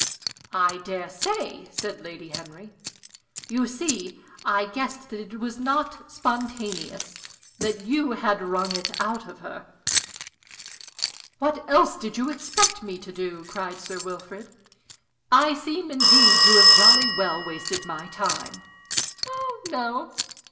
"I dare say," said Lady Henry. "You see, I guessed that it was not spontaneous; that you had wrung it out of her." "What else did you expect me to do?" cried Sir Wilfrid. "I seem, indeed, to have jolly well wasted my time." "Oh no.